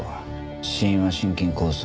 死因は心筋梗塞。